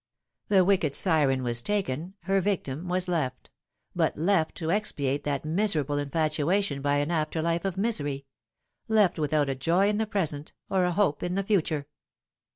The wicked siren was taken, her victim was left ; but left to expiate that miserable infatuation by an after life of misery ; left without a joy in the present or a hope in the future.